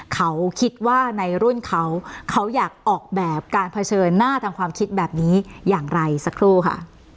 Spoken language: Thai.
เขาคิดว่าในรุ่นเขาเขาอยากออกแบบการเผชิญหน้าทางความคิดแบบนี้อย่างไรสักครู่ค่ะ